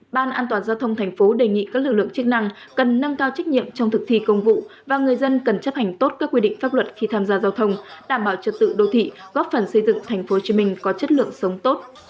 ban an toàn giao thông thành phố đề nghị các lực lượng chức năng cần nâng cao trách nhiệm trong thực thi công vụ và người dân cần chấp hành tốt các quy định pháp luật khi tham gia giao thông đảm bảo trật tự đô thị góp phần xây dựng tp hcm có chất lượng sống tốt